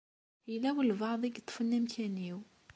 Yella walebɛaḍ i yeṭṭfen amkan-iw.